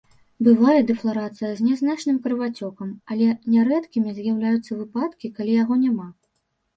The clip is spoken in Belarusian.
Бывае дэфларацыя з нязначным крывацёкам, але нярэдкімі з'яўляюцца выпадкі, калі яго няма.